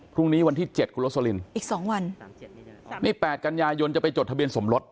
พรุ่งนี้วันที่เจ็ดคุณโรสลินอีกสองวันนี่๘กันยายนจะไปจดทะเบียนสมรส